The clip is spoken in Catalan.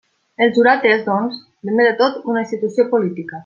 El jurat és, doncs, primer de tot una institució política.